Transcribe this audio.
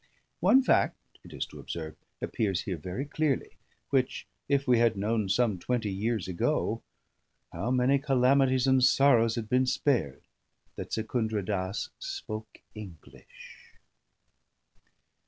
One fact, it is to observe, appears here very clearly, which if we had known some twenty years ago, how many calamities and sorrows had been spared! that Secundra Dass spoke English.